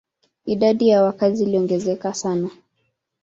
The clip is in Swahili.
Idadi ya wakazi iliongezeka sana.